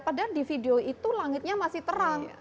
padahal di video itu langitnya masih terang